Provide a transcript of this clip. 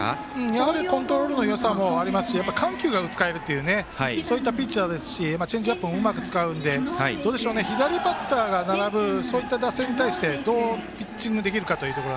やはりコントロールのよさもありますし緩急が使えるというそういったピッチャーですしチェンジアップもうまく使うので左バッターが並ぶそういった打線に対してどうピッチングできるかという。